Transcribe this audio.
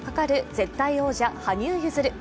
絶対王者・羽生結弦。